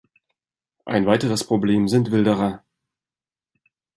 Ein weiteres Problem sind Wilderer.